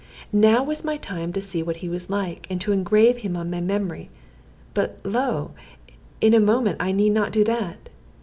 Now was my time to see what he was like, and engrave him on my memory. But, lo! in a moment I need not do that.